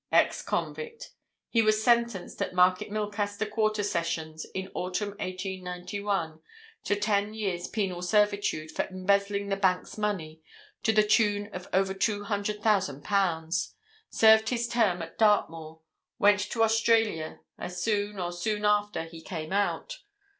"Ex convict. He was sentenced, at Market Milcaster Quarter Sessions, in autumn, 1891, to ten years' penal servitude, for embezzling the bank's money, to the tune of over two hundred thousand pounds. Served his term at Dartmoor. Went to Australia as soon, or soon after, he came out.